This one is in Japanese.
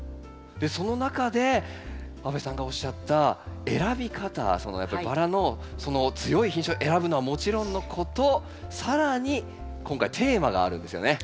その中で阿部さんがおっしゃった選び方やっぱりバラのその強い品種を選ぶのはもちろんのこと更に今回テーマがあるんですよね？